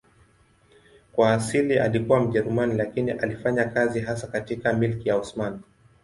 Kwa asili alikuwa Mjerumani lakini alifanya kazi hasa katika Milki ya Osmani.